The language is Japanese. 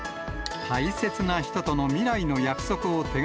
大切な人との未来の約束を手